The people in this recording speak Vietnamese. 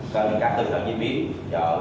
các cơ quan dịch mổ các cơ quan dịch mổ